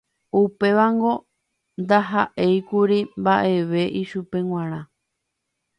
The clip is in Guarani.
Upévango ndaha'éikuri mba'eve ichupe g̃uarã